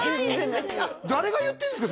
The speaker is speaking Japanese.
誰が言ってるんですか？